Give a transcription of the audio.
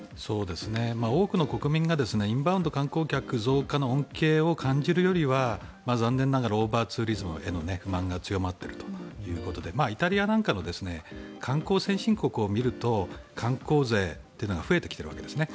多くの国民がインバウンド観光客増加の恩恵を感じるよりは残念ながらオーバーツーリズムの不満が強まっているということでイタリアなんかの観光先進国を見ると観光税というのが増えてきているわけですね。